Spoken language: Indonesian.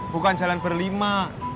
bukan jalan berlima